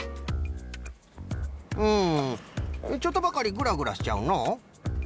うんちょっとばかりグラグラしちゃうのう。